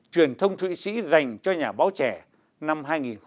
truyền thông thụy sĩ dành cho nhà báo trẻ năm hai nghìn một mươi